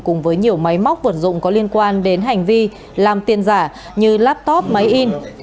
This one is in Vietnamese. cùng với nhiều máy móc vượt dụng có liên quan đến hành vi làm tiền giả như laptop máy in